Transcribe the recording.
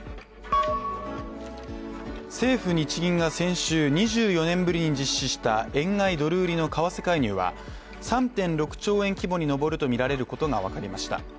政府日銀が先週、２４年ぶりに実施した円買い・ドル売りの為替介入は３．６兆円規模に上るとみられることが分かりました。